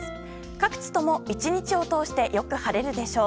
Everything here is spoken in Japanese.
各地とも、１日を通してよく晴れるでしょう。